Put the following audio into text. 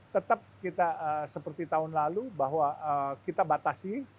tetap kita seperti tahun lalu bahwa kita batasi